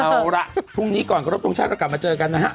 เอาล่ะพรุ่งนี้ก่อนขอรับทรงชาติเรากลับมาเจอกันนะฮะ